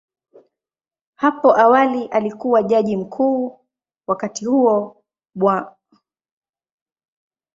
Hapo awali alikuwa Jaji Mkuu, wakati huo Bw.